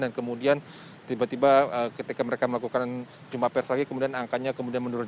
dan kemudian tiba tiba ketika mereka melakukan jumpa pers lagi kemudian angkanya kemudian menurun